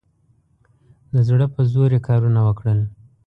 د زړه په زور یې کارونه وکړل.